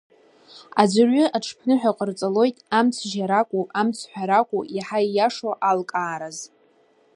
Аӡәырҩы аҽԥныҳәа ҟарҵалоит амц жьара акәу, амцҳәара акәу иаҳа иашоу алкаараз.